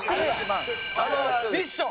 あのミッション。